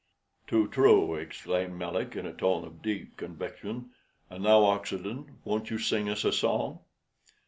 "Too true," exclaimed Melick, in a tone of deep conviction; "and now, Oxenden, won't you sing us a song?"